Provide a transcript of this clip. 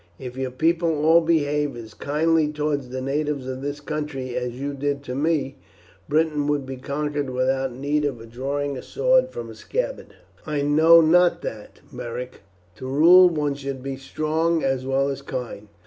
If your people all behaved as kindly towards the natives of this country as you did to me, Britain would be conquered without need of drawing sword from scabbard." "I know not that, Beric; to rule, one should be strong as well as kind.